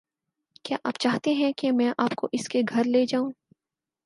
کیا آپ چاہتے ہیں کہ میں آپ کو اس کے گھر لے جاؤں؟